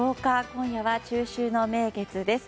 今夜は中秋の名月です。